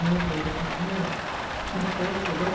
'arret did re: know. And twice again.